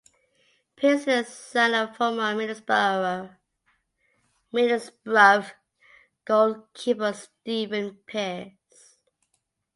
Pears is the son of former Middlesbrough goalkeeper Stephen Pears.